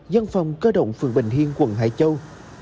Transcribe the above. dân phòng cơ động phường bình hiên quận hải châu